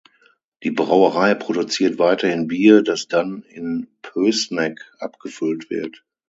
Die Brauerei produziert weiterhin Bier, das dann in Pößneck abgefüllt wird.